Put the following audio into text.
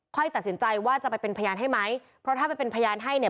ตัดสินใจว่าจะไปเป็นพยานให้ไหมเพราะถ้าไปเป็นพยานให้เนี่ย